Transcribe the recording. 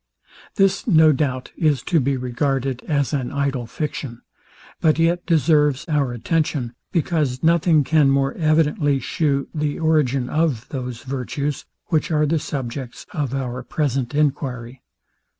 This, no doubt, is to be regarded as an idle fiction; but yet deserves our attention, because nothing can more evidently shew the origin of those virtues, which are the subjects of our present enquiry.